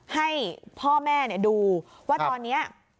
ให้พ่อแม่ดูว่าตอนนี้